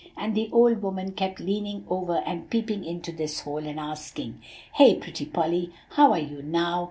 And the old woman kept leaning over and peeping into this hole, and asking, 'Hey, pretty Polly; how are you now?